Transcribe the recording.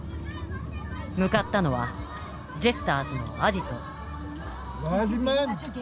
向かったのはジェスターズのアジト。